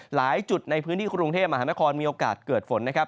หลายจุดในพื้นที่กรุงเทพมหานครมีโอกาสเกิดฝนนะครับ